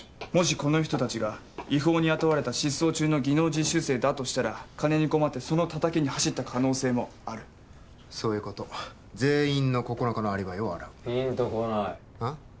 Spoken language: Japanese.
もしこの人達が違法に雇われた失踪中の技能実習生だとしたら金に困ってそのタタキに走った可能性もあるそういうこと全員の９日のアリバイを洗うピンとこないあっ？